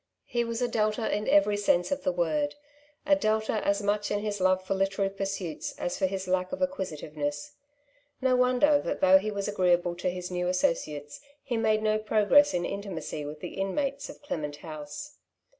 He was a Delta in every sense of the word — a Delta as much in his love for literary pursuits as for his lack of acquisitiveness. No wonder that though he was agreeable to his new associates, he made no progress in intimacy with the inmates of " Clement House.'